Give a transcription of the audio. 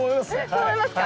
そう思いますか？